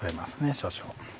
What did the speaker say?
少々。